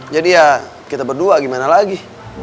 jadi ya kita berdua gimana lagi